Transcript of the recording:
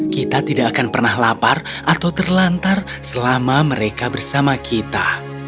kita tidak akan pernah lapar atau terlantar selama mereka bersama kita